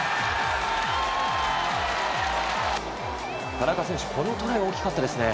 田中選手、このトライ大きかったですね。